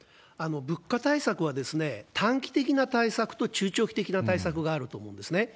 物価対策は、短期的な対策と中長期的な対策があると思うんですね。